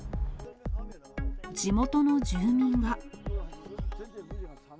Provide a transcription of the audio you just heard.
地元の住民は。